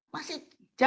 masih jauh dari targetnya